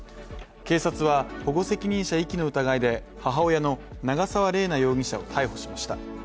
警察は、保護責任者遺棄の疑いで、母親の長沢麗奈容疑者を逮捕しました。